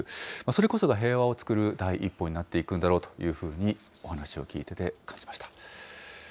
それこそが平和を作る第一歩になっていくんだろうというふうに、お話を聞いてて感じました。